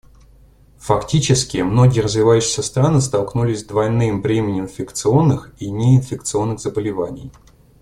Фактически, многие развивающиеся страны столкнулись с двойным бременем инфекционных и неинфекционных заболеваний.